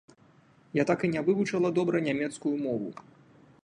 Я так і не вывучыла добра нямецкую мову.